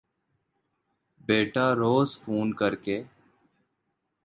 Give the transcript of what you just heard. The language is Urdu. بیٹا روز فون کر کے